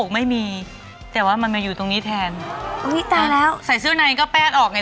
ไม่มีแต่ว่ามันมาอยู่ตรงนี้แทนอุ้ยตายแล้วใส่เสื้อในก็แป้นออกไง